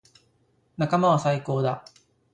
仲間は最高だ。